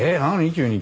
急に。